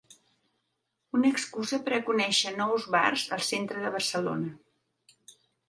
Una excusa per a conèixer nous bars al centre de Barcelona.